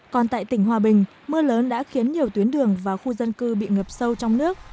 còn tại tỉnh hòa bình mưa lớn đã khiến nhiều tuyến đường và khu dân cư bị ngập sâu trong nước